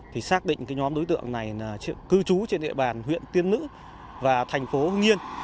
thì xác định cái nhóm đối tượng này cư trú trên địa bàn huyện tiên nữ và thành phố nghiên